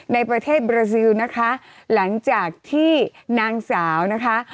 ในประเทศบราซิลนะคะหลังจากที่นางสาวนะคะ